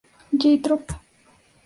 J. Trop.